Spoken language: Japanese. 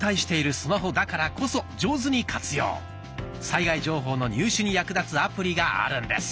災害情報の入手に役立つアプリがあるんです。